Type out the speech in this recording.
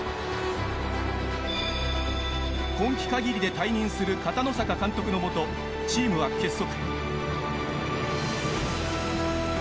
今季限りで退任する片野坂監督のもと、チームは結束。